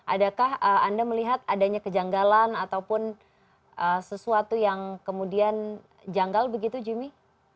adakah anda melihat adanya kejanggalan ataupun sesuatu yang kemudian janggal begitu jimmy